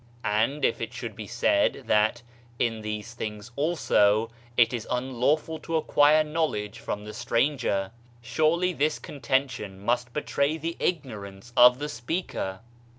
And if it should be said that "in these things also, it is unlawful to acquire knowledge from the stranger" ; surely this contention must betray the ignorance of the speaker?